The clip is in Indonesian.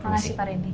terima kasih pak rindy